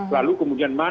lalu kemudian mana